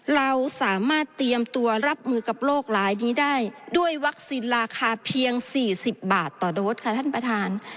เราสามารถเตรียมตัวรับมือกับโรคร้ายนี้ได้ด้วยวัคซีนราคาเพียง๔๐บาทต่อโดสค่ะท่านประธาน